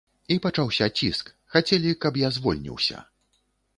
І пачаўся ціск, хацелі, каб я звольніўся.